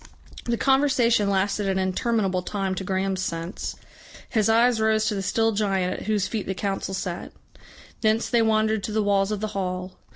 The conversation lasted an interminable time to Graham's sense. His eyes rose to the still giant at whose feet the Council sat. Thence they wandered to the walls of the hall.